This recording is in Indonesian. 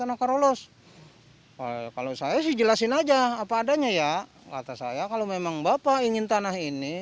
anak karolos kalau saya sih jelasin aja apa adanya ya kata saya kalau memang bapak ingin tanah ini